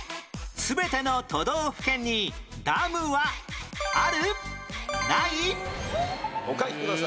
全ての都道府県にダムはある？